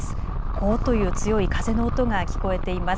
ごーっという強い風の音が聞こえています。